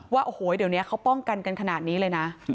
ว่าโอ้โหเดี๋ยวนี้เขาป้องกันกันขนาดนี้เลยนะ